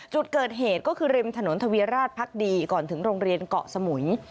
จุดเกิดเหตุก็คือริมถนนทวีราชพักดีก่อนถึงโรงเรียนเกาะสมุย